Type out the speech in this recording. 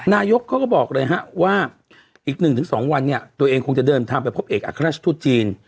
นายกเขาก็บอกเลยฮะว่าอีก๑๒วันเนี่ยตัวเองคงจะเดินทางไปพบเอกอัครราชทูตจีน